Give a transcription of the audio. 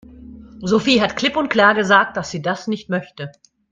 Sophie hat klipp und klar gesagt, dass sie das nicht möchte.